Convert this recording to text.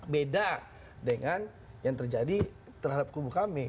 beda dengan yang terjadi terhadap kubu kami